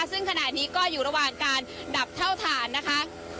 ซึ่งขณะนี้ก็อยู่ระหว่างการดับเท่าฐานนะคะ